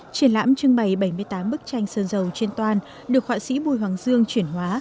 triển lãm trưng bày bảy mươi tám bức tranh sơn dầu trên toàn được họa sĩ bùi hoàng dương chuyển hóa